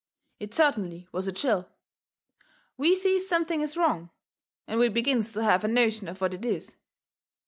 It certainly was a chill. We sees something is wrong, and we begins to have a notion of what it is.